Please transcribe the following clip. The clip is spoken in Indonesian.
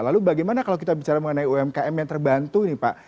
lalu bagaimana kalau kita bicara mengenai umkm yang terbantu ini pak